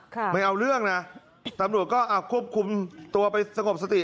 ไม่เอาเรื่องนะตำรวจก็อ่ะควบคุมตัวไปสงบสติ